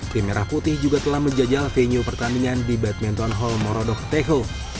tim merah putih juga telah menjajal venue pertandingan di badminton hall morodok teho